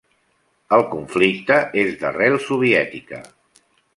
El conflicte és d'arrel soviètica.